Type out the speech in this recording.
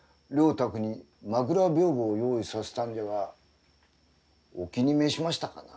沢に枕屏風を用意させたんじゃがお気に召しましたかな？